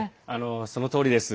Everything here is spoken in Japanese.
そのとおりです。